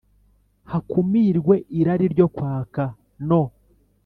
hakumirwe irari ryo kwaka no